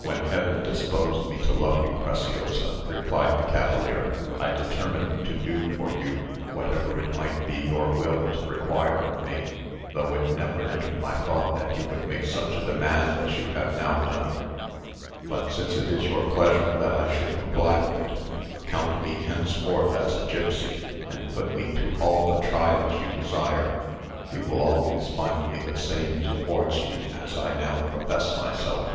"When Heaven disposed me to love you, Preciosa," replied the cavalier, "I determined to do for you whatever it might be your will to require of me, though it never entered my thoughts that you would make such a demand as you have now done; but since it is your pleasure that I should comply with it, count me henceforth as a gipsy, and put me to all the trials you desire, you will always find me the same towards you as I now profess myself.